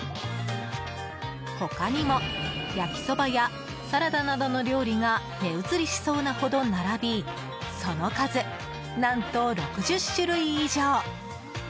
他にも、焼きそばやサラダなどの料理が目移りしそうなほど並びその数、何と６０種類以上。